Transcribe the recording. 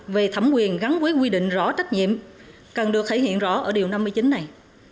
về thẩm quyền gắn với quy định rõ trách nhiệm cần được thể hiện rõ ở điều năm mươi chín này